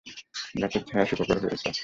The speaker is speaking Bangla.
গাছের ছায়া সুখকর হয়েছে।